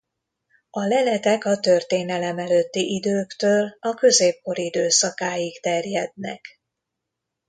A leletek a történelem előtti időktől a középkor időszakáig terjednek.